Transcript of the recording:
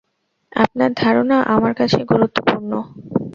আপনার ধারণা আমার কাছে গুরুত্বপূর্ণ।